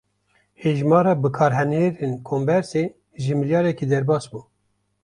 Hejmara bikarhênerên kombersê, ji milyareke derbas bû